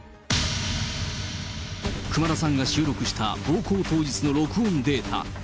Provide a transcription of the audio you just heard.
熊田さんが収録した、暴行当日の録音データ。